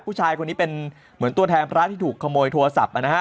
ผู้ชายคนนี้เป็นเหมือนตัวแทนพระที่ถูกขโมยโทรศัพท์นะฮะ